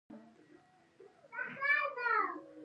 که ته، داځل راغلي بیا دې نه پریږدم